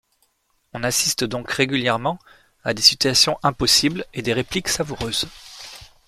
On assiste donc régulièrement à des situations impossibles et des répliques savoureuses.